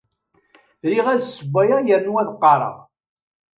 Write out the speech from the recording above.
Riɣ ad ssewwayeɣ yernu ad qqareɣ.